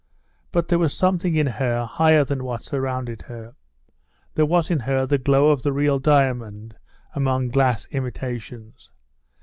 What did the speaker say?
But there was something in her higher than what surrounded her. There was in her the glow of the real diamond among glass imitations.